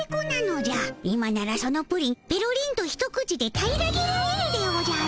今ならそのプリンぺろりんと一口で平らげられるでおじゃる。